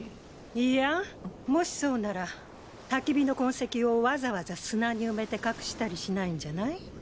いやもしそうならたき火の痕跡をわざわざ砂に埋めて隠したりしないんじゃない？